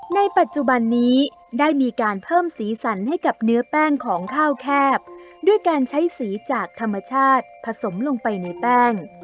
ในปัจจุบันนี้ได้มีการเพิ่มสีสันให้กับเนื้อแป้งของข้าวแคบด้วยการใช้สีจากธรรมชาติผสมลงไปในแป้ง